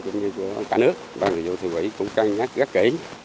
cũng như của cả nước và người dụ thủ quỹ cũng can nhắc rất kỹ